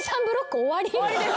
終わりです。